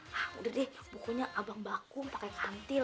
hah udah deh bukunya abang bakung pake kantil